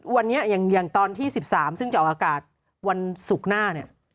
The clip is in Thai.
วันนี้อย่างตอนที่๑๓ซึ่งจะออกอากาศวันศุกร์หน้าเนี่ย